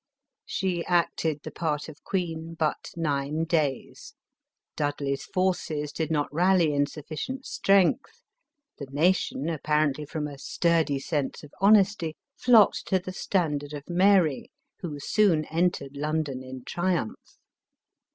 She acted the part of queen but nine days ; Dudley's forces did not rally in suffi cient strength ; the nation, apparently from a sturdy sense of honesty, flocked to the standard of Mary, who soon entered London in triumph.